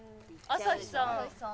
朝日さん。